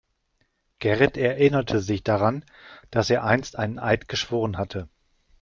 Gerrit erinnerte sich daran, dass er einst einen Eid geschworen hatte.